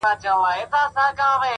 تـلاوت دي د ښايستو شعرو كومه؛